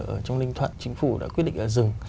ở trong linh thuận chính phủ đã quyết định là dừng